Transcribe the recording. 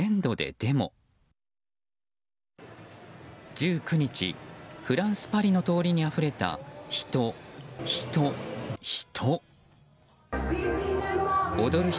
１９日、フランス・パリの通りにあふれた人、人、人。